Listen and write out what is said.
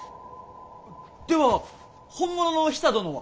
では本物のヒサ殿は？